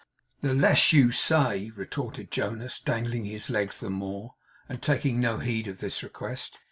'The less you say!' retorted Jonas, dangling his legs the more, and taking no heed of this request.